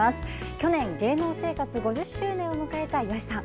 去年、芸能生活５０周年を迎えた吉さん。